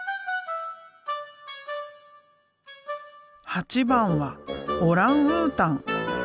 ８番はオランウータン。